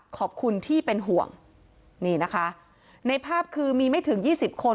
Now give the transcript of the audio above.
ขอบคุณที่เป็นห่วงนี่นะคะในภาพคือมีไม่ถึงยี่สิบคน